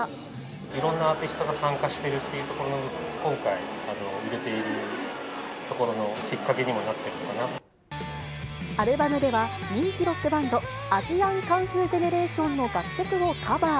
いろんなアーティストが参加しているってところが今回、売れているところのきっかけにもアルバムでは、人気ロックバンド、アジアンカンフージェネレーションの楽曲をカバー。